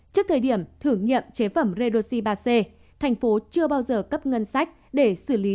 trước thời điểm thử nghiệm chế phẩm redoxi ba c thành phố chưa bao giờ cấp ngân sách để xử lý